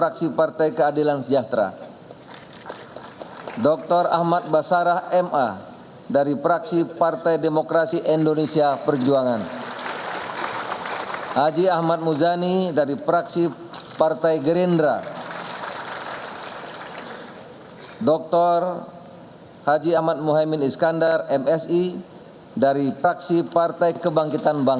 ketua mahkamah konstitusi yang mulia dr anwar usman shmh